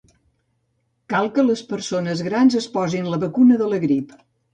Cal que les persones grans es posin la vacuna de la grip.